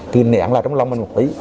thì nẻn lại trong lòng mình một tí